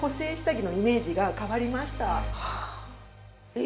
え？